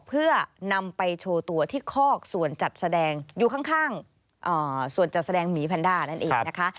เพื่อนำไปโชว์ตัวที่คอกส่วนจัดแสดงอยู่ข้างส่วนจัดแสดงหมีแพนด้านั่นเองนะคะ